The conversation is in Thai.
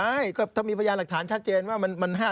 ได้ก็ถ้ามีพยานหลักฐานชัดเจนว่ามัน๕ล้านได้ไป